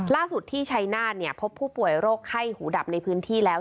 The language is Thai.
ที่ชัยนาธพบผู้ป่วยโรคไข้หูดับในพื้นที่แล้ว